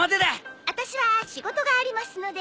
私は仕事がありますので。